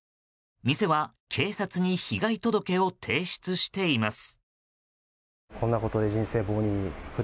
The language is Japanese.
店は警察に被害届を提出しています。